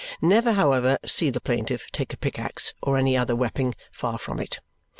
Never however see the plaintive take a pick axe or any other wepping far from it.